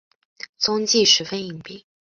踪迹十分隐蔽。